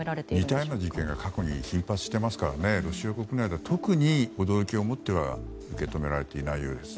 似たような事件が過去に頻発していますからロシア国内では特に驚きをもって受け止めていないようです。